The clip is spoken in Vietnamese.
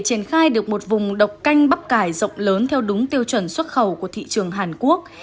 triển khai được một vùng độc canh bắp cải rộng lớn theo đúng tiêu chuẩn xuất khẩu của thị trường hàn quốc